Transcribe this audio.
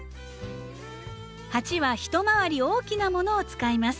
鉢は一回り大きなものを使います。